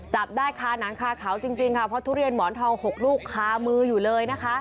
จับได้คาหนังคาเขาจริงค่ะเพราะทุเรียนหมอนทอง๖ลูกคามืออยู่เลยนะคะ